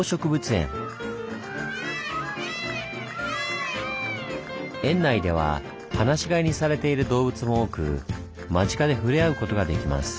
園内では放し飼いにされている動物も多く間近で触れ合うことができます。